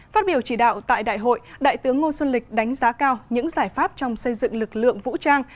phát biểu chỉ đạo tại đại hội đại tướng ngô xuân lịch đánh giá cao những giải pháp trong xây dựng lực lượng vũ trang